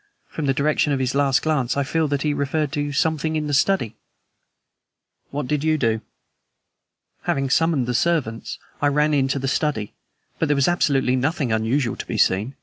From the direction of his last glance, I feel sure he referred to something in the study." "What did you do?" "Having summoned the servants, I ran into the study. But there was absolutely nothing unusual to be seen.